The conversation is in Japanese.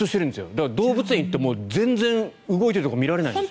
だから、動物園に行っても全然動いているところが見られないんです。